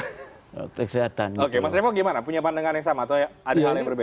oke mas revo gimana punya pandangan yang sama atau ada hal yang berbeda